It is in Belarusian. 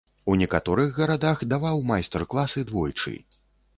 У некаторых гарадах даваў майстар-класы двойчы.